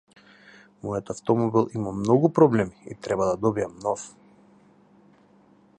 Мојот автомобил има многу проблеми и треба да добијам нов.